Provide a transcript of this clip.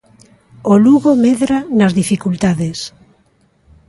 O Lugo medra nas dificultades.